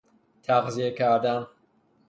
تغذیه کردن